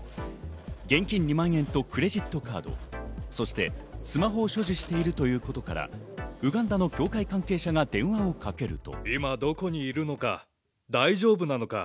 現金２万円とクレジットカード、そして、スマホを所持しているということから、ウガンダの協会関係者が電話をかけると。